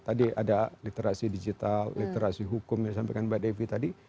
tadi ada literasi digital literasi hukum yang disampaikan mbak devi tadi